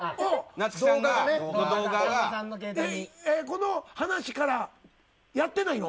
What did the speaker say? この話から、やってないの。